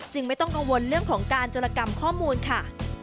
ไม่ต้องกังวลเรื่องของการจรกรรมข้อมูลค่ะ